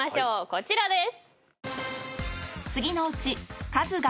こちらです。